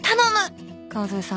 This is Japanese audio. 川添さん